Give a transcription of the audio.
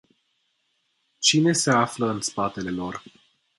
Cine se află în spatele lor?